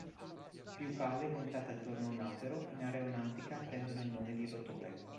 Più pale montate attorno a un albero, in aeronautica prendono il nome di rotore.